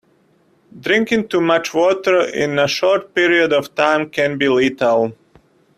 Drinking too much water in a short period of time can be lethal.